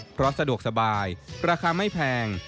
เพราะสะดวกสบายราคาไม่แพง